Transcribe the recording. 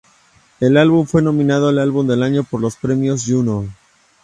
El álbum fue nominado al "Álbum del año" por los Premios Juno.